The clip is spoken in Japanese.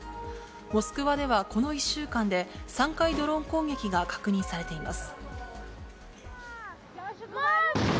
モスクワではこの１週間で３回ドローン攻撃が確認されています。